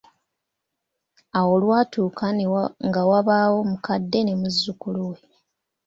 Awo lwatuuka nga wabaawo omukadde ne muzzukulu we.